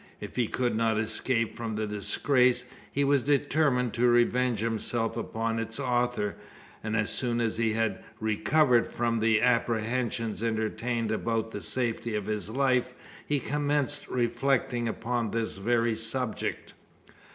If he could not escape from the disgrace, he was determined to revenge himself upon its author; and as soon as he had recovered from the apprehensions entertained about the safety of his life, he commenced reflecting upon this very subject.